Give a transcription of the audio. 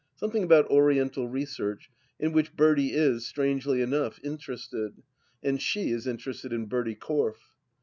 Something about Oriental Research, in which Bertie is, strangely enough, interested, and she is interested in Bertie Corfe.